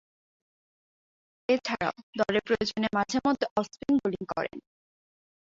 এছাড়াও, দলের প্রয়োজনে মাঝে-মধ্যে অফ-স্পিন বোলিং করেন।